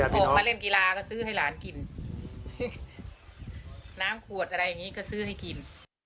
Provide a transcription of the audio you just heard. ออกมาเล่นกีฬาก็ซื้อให้หลานกินน้ำขวดอะไรอย่างนี้ก็ซื้อให้กิน